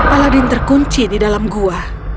aladin terkunci di dalam gua